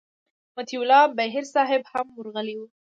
مطیع الله بهیر صاحب هم ورغلی و.